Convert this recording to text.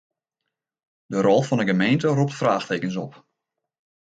De rol fan 'e gemeente ropt fraachtekens op.